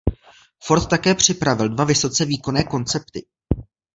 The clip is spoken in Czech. Ford také připravil dva vysoce výkonné koncepty.